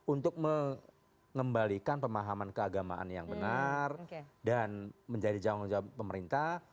untuk mengembalikan pemahaman keagamaan yang benar dan menjadi jawab pemerintah